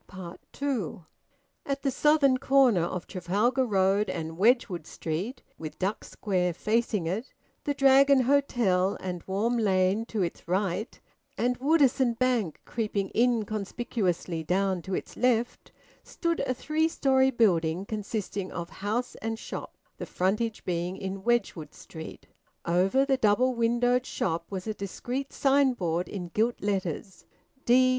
TWO. At the southern corner of Trafalgar Road and Wedgwood Street, with Duck Square facing it, the Dragon Hotel and Warm Lane to its right, and Woodisun Bank creeping inconspicuously down to its left, stood a three storey building consisting of house and shop, the frontage being in Wedgwood Street. Over the double windowed shop was a discreet signboard in gilt letters, "D.